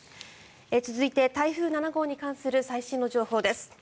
続いて台風７号に関する最新の情報です。